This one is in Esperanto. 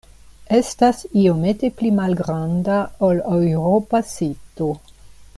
Estas iomete pli malgranda ol eŭropa sito.